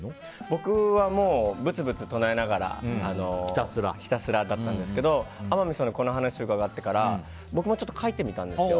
僕は、ブツブツ唱えながらひたすらだったんですけど天海さんのこの話を伺ってから僕もちょっと書いてみたんですよ。